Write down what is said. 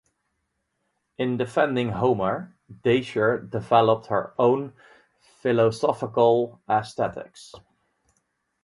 In defending Homer, Dacier developed her own philosophical aesthetics.